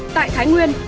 tại thái nguyên